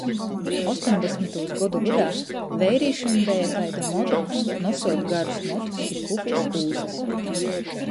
Ostoņdesmitūs godu vydā veirīšim beja taida moda nosuot garus motus i kuplys ūsys.